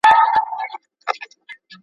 بېگناه به قصاصېږي په بازار كي !.